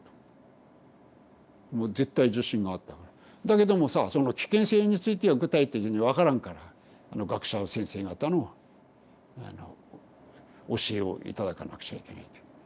だけどもさその危険性については具体的に分からんから学者先生方の教えを頂かなくちゃいけないという。